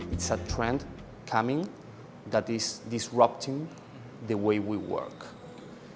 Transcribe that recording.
ini adalah trend yang datang yang mengganggu cara kita bekerja